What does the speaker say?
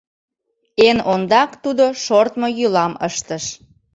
Эн ондак тудо шортмо йӱлам ыштыш.